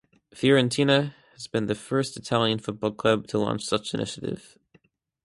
Fiorentina has been the first Italian football club to launch such initiative.